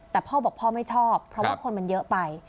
แต่พ่อบอกพ่อไม่ชอบเพราะว่าคนมันเยอะไป